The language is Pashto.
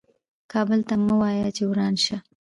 کابل ته مه وایه چې وران شه .